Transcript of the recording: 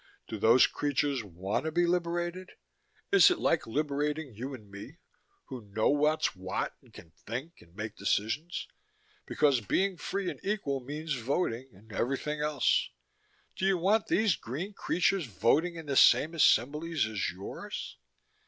Do those creatures want to be liberated? Is it like liberating you and me, who know what's what and can think and make decisions? Because being free and equal means voting and everything else. Do you want these green creatures voting in the same assemblies as yours?